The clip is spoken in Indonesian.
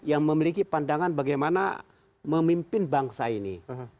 yang memiliki pandangan bagaimana memimpin bangsa ini